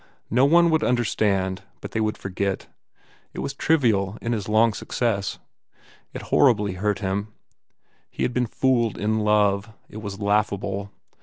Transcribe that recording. No one would understand but they would forget. It was trivial in his long success. It horribly hurt him. He had been fooled in love. It was laughable.